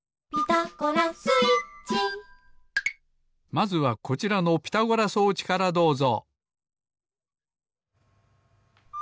まずはこちらのピタゴラ装置からどうぞ。